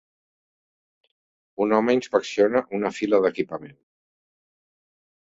Un home inspecciona una fila d'equipament.